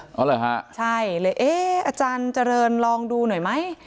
เหรอฮะใช่เลยเอ๊ะอาจารย์เจริญลองดูหน่อยไหม